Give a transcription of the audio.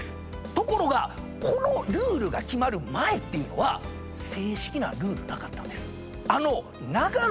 ところがこのルールが決まる前っていうのは正式なルールなかったんです。